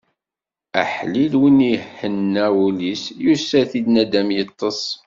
Aḥlil win ihenna wul-is, yusa-t-id naddam yeṭṭes.